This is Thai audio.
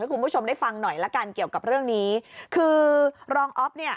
คุณผู้ชมได้ฟังหน่อยละกันเกี่ยวกับเรื่องนี้คือรองอ๊อฟเนี่ย